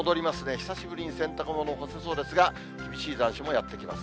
久しぶりに洗濯物干せそうですが、厳しい残暑もやって来ます。